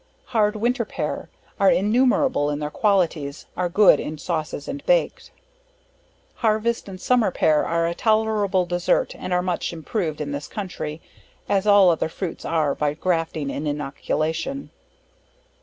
Hard Winter Pear, are innumerable in their qualities, are good in sauces, and baked. Harvest and Summer Pear are a tolerable desert, are much improved in this country, as all other fruits are by grafting and innoculation.